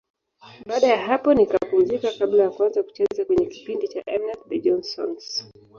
Baada ya hapo nikapumzika kabla ya kuanza kucheza kwenye kipindi cha M-net, The Johnsons.